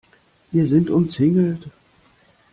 Wir sind umzingelt.